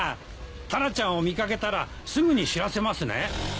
タラちゃんを見掛けたらすぐに知らせますね。